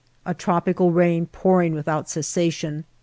A tropical rain pouring with out cessation.